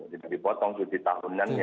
tidak dipotong cuti tahunannya